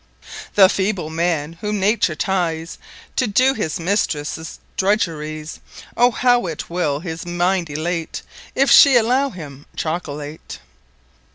The Feeble Man, whom Nature Tyes To doe his Mistresse's Drudgeries; O how it will his minde Elate, If shee allow him Chocolate!